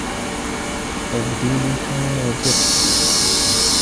أَوْ دِينٌ حَاجِرٌ